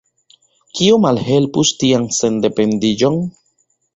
Kio malhelpus tian sendependiĝon?